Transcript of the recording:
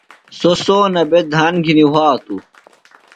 سوۡ سونہ بےۡ دھان گِھنیۡ وھاتوۡ۔